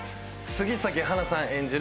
杉咲花さん演じる